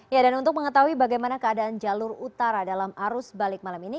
ya dan untuk mengetahui bagaimana keadaan jalur utara dalam arus balik malam ini